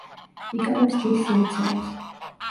იკავებს დიდ სივრცეებს.